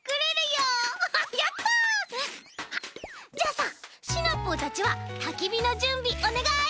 あさシナプーたちはたきびのじゅんびおねがい！